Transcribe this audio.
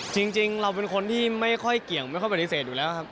จริงเราเป็นคนที่ไม่ค่อยเกี่ยงไม่ค่อยปฏิเสธอยู่แล้วครับ